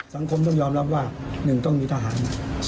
สังคมต้องยอมรับว่า๑ต้องมีทหาร